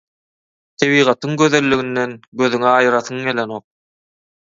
Tebigatyň gözelliginden gözüňi aýyrasyň gelenok.